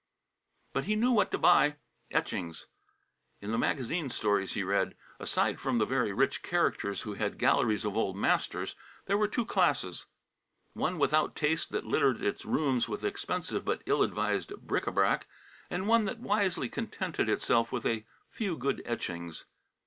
But he knew what to buy. Etchings. In the magazine stories he read, aside from the very rich characters who had galleries of old masters, there were two classes: one without taste that littered its rooms with expensive but ill advised bric a brac; and one that wisely contented itself with "a few good etchings."